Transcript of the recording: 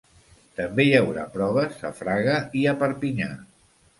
També hi haurà proves a Fraga i a Perpinyà.